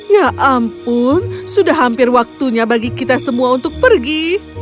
ya ampun sudah hampir waktunya bagi kita semua untuk pergi